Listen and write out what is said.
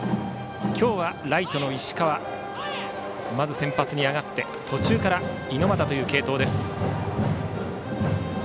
今日はライトの石川がまず先発に上がって途中から猪俣という継投です。